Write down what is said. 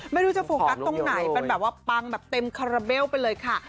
ไม่รู้จะโฟกัสตรงไหนเป็นแบบว่าปังแบบเต็มคาราเบลไปเลยค่ะ